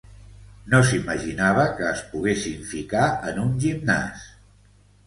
No s'imaginava que es poguessin ficar en un gimnàs.